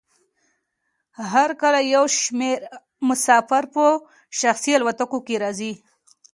هر کال یو شمیر مسافر په شخصي الوتکو کې راځي